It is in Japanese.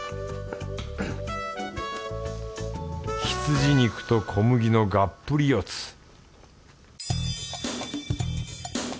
羊肉と小麦のがっぷり四つ